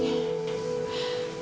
ya allah wi